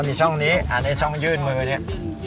อ๋อมีช่องนี้อ่ะในช่องยื่นเมืองี้